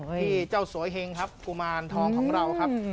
ที่เจ้าสวยเฮงครับกุมารทองของเราครับ